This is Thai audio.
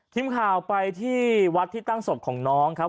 ทีมข่าวไปที่วัดที่ตั้งศพของน้องครับ